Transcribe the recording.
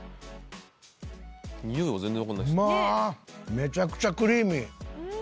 めちゃくちゃクリーミー。